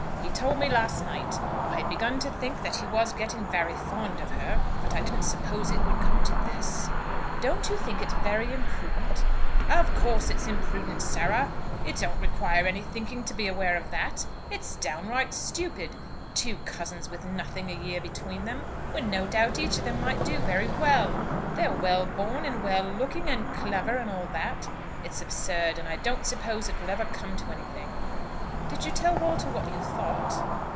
He told me last night. I had begun to think that he was getting very fond of her, but I didn't suppose it would come to this." "Don't you think it very imprudent?" "Of course it's imprudent, Sarah. It don't require any thinking to be aware of that. It's downright stupid; two cousins with nothing a year between them, when no doubt each of them might do very well. They're well born, and well looking, and clever, and all that. It's absurd, and I don't suppose it will ever come to anything." "Did you tell Walter what you thought?"